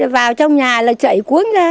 vào trong nhà là chạy cuốn ra